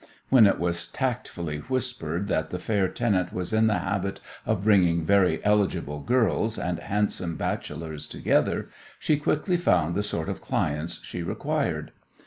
When it was tactfully whispered that the fair tenant was in the habit of bringing very eligible girls and handsome bachelors together, she quickly found the sort of clients she required.